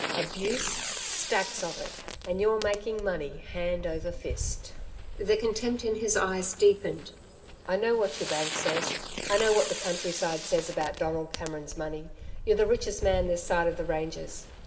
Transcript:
Abuse? Stacks of it! And you're making money, hand over fist." The contempt in his eyes deepened. "I know what your bank says. I know what the countryside says about Donald Cameron's money. You're the richest man this side of the ranges....